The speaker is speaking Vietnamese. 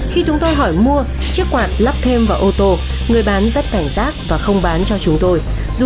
khi chúng tôi hỏi mua chiếc quạt lắp thêm vào ô tô người bán rất cảnh giác và không bán cho chúng tôi